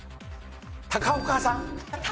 高岡さん。